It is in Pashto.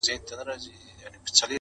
په یوه جرګه کي ناست وه مروروه،